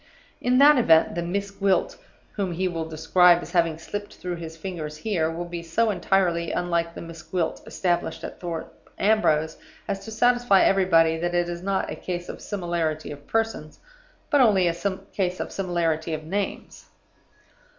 In that event, the 'Miss Gwilt' whom he will describe as having slipped through his fingers here will be so entirely unlike the 'Miss Gwilt' established at Thorpe Ambrose, as to satisfy everybody that it is not a case of similarity of persons, but only a case of similarity of names.